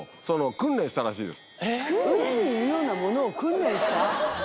訓練したらしいです。